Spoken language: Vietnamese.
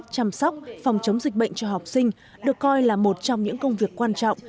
chăm sóc phòng chống dịch bệnh cho học sinh được coi là một trong những công việc quan trọng